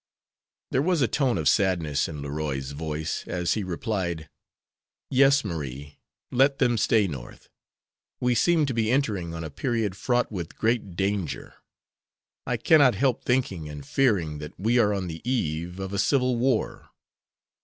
There was a tone of sadness in Leroy's voice, as he replied: "Yes, Marie, let them stay North. We seem to be entering on a period fraught with great danger. I cannot help thinking and fearing that we are on the eve of a civil war."